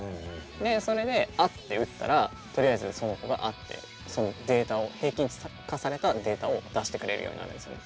でそれで「あ」って打ったらとりあえずその子が「あ」ってそのデータを平均値化されたデータを出してくれるようになるんですね。